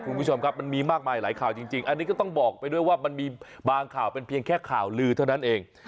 คุณผู้ชมครับมันมีมากมายหลายข่าวจริงอันนี้ก็ต้องบอกไปด้วยว่ามันมีบางข่าวเป็นเพียงแค่ข่าวลือเท่านั้นเอง